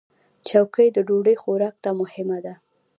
چوکۍ د ډوډۍ خوراک ته مهمه ده.